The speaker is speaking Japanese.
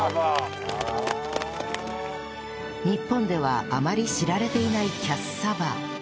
日本ではあまり知られていないキャッサバ